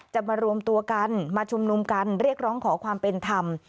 จะมารวมตัวกันมาชุมนุมกันเรียกร้องขอความเป็นธรรม